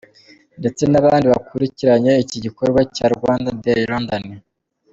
ndetse nabandi bakurikiranye iki gikorwa cya Rwanda Day London.